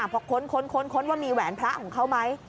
พอค้นว่ามีแหวนพระของเขาไหม